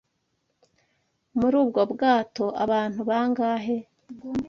Muri ubwo bwato abantu bangahe?